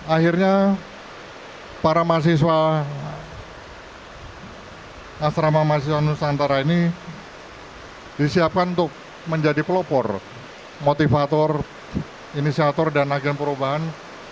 akhirnya para mahasiswa asrama mahasiswa nusantara ini disiapkan untuk menjadi pelopor motivator inisiator dan agen perubahan